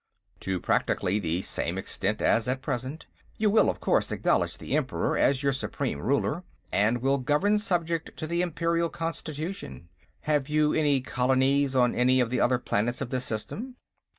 "To practically the same extent as at present. You will, of course, acknowledge the Emperor as your supreme ruler, and will govern subject to the Imperial Constitution. Have you any colonies on any of the other planets of this system?"